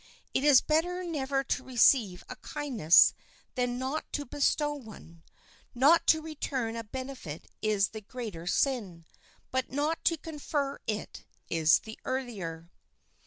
It is better never to receive a kindness than not to bestow one. Not to return a benefit is the greater sin, but not to confer it is the earlier.